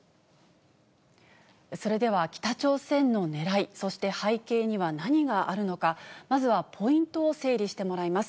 それでは北朝鮮のねらい、そして背景には何があるのか、まずはポイントを整理してもらいます。